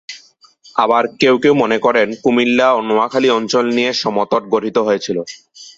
আবার কেউ কেউ মনে করেন, কুমিল্লা ও নোয়াখালী অঞ্চল নিয়ে সমতট গঠিত হয়েছিল।